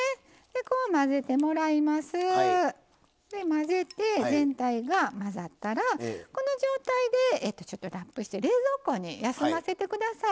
混ぜて全体が混ざったらこの状態でちょっとラップして冷蔵庫に休ませて下さい。